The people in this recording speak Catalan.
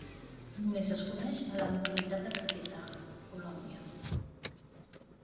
Només es coneix a la localitat de Caquetá, Colòmbia.